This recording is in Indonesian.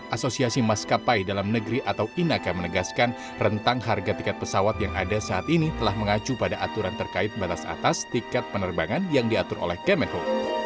asosiasi maskapai dalam negeri atau inaka menegaskan rentang harga tiket pesawat yang ada saat ini telah mengacu pada aturan terkait batas atas tiket penerbangan yang diatur oleh kemenhub